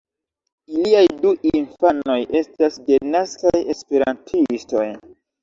Iliaj du infanoj estas denaskaj esperantistoj.